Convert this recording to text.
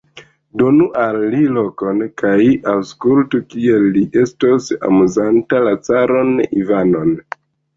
Donu al li lokon kaj aŭskultu, kiel li estos amuzanta la caron Ivanon!